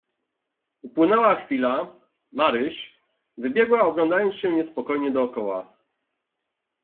"Upłynęła chwila, Maryś, wybiegła oglądając się niespokojnie dokoła."